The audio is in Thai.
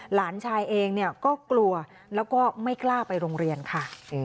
หลานชายเองก็กลัวแล้วก็ไม่กล้าไปโรงเรียนค่ะ